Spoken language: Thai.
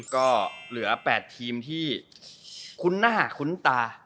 ก็เหลือ๘ทีมที่คุ้นหน้าคุ้นตา